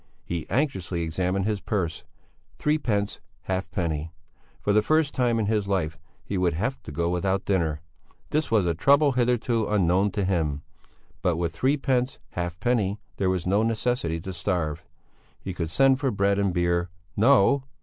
He anxiously examined his purse. Threepence halfpenny! For the first time in his life he would have to go without dinner! This was a trouble hitherto unknown to him. But with threepence halfpenny there was no necessity to starve. He could send for bread and beer. No!